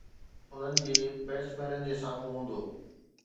انهن جي بيٽسمينن جي سامهون هوندو